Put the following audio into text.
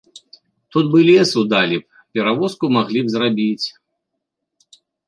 Тут бы лесу далі б, перавозку маглі б зрабіць.